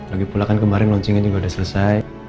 lagipula kan kemarin launchingnya juga udah selesai